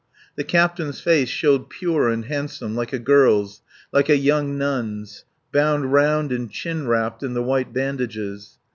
The captain's face showed pure and handsome, like a girl's, like a young nun's, bound round and chin wrapped in the white bandages.